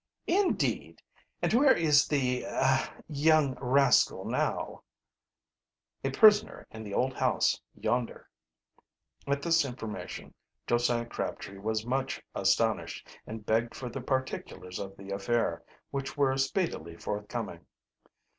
"Indeed, and where is the ah young rascal now?" "A prisoner in the old house yonder." At this information Josiah Crabtree was much astonished, and begged for the particulars of the affair, which were speedily forthcoming.